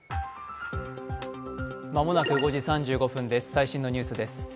最新のニュースです。